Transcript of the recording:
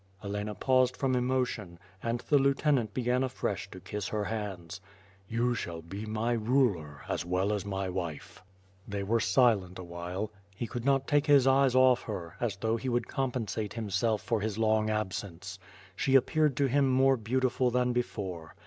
Helena paused from emotion, and the lieutenant began afresh to kiss her hands. "You shall be my ruler, as well as my wife." They w ere silent awhile. He could not take his eyes off her, as though he would compensate himself for his long absence. She appeared to him more beautiful than before.